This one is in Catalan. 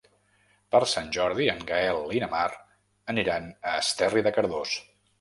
Per Sant Jordi en Gaël i na Mar aniran a Esterri de Cardós.